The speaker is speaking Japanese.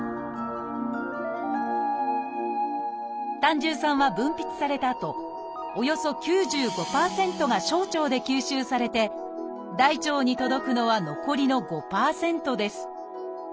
胆汁酸は分泌されたあとおよそ９５％が小腸で吸収されて大腸に届くのは残りの５％です